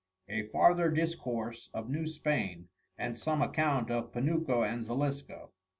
A farther Discourse of New Spain: And some Account of Panuco and Xalisco.